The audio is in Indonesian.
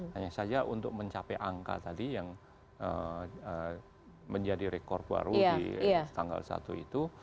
hanya saja untuk mencapai angka tadi yang menjadi rekor baru di tanggal satu itu